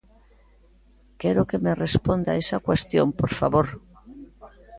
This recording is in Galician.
Quero que me responda a esa cuestión, por favor.